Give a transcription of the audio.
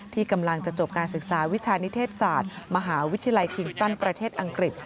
ที่กำลังจะจบการศึกษาวิชานิเทศศาสตร์มหาวิทยาลัยคิงสตันประเทศอังกฤษ